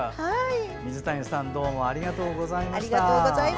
水谷さんありがとうございました。